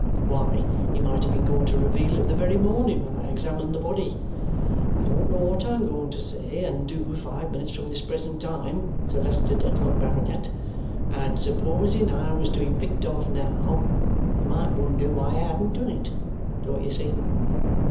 Why, he might have been going to reveal it the very morning when I examined the body! You don't know what I'm going to say and do five minutes from this present time, Sir Leicester Dedlock, Baronet; and supposing I was to be picked off now, you might wonder why I hadn't done it, don't you see?"